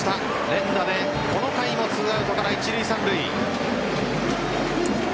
連打でこの回も２アウトから一塁・三塁。